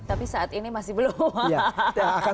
tapi saat ini masih belum